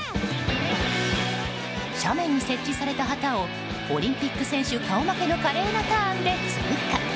斜面に設置された旗をオリンピック選手顔負けの華麗なターンで通過。